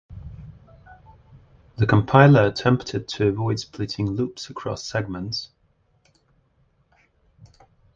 The compiler attempted to avoid splitting loops across segments.